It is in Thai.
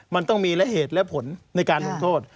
มันต้องมีและเหตุและผลในการลงโทษ